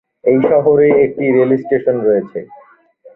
এই শহরে একটি রেল স্টেশন রয়েছে।